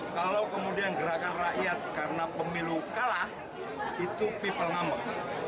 kasus semuanya untuk berbicara ada keturangan mudah